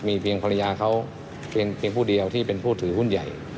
เพียงภรรยาเขาเพียงผู้เดียวที่เป็นผู้ถือหุ้นใหญ่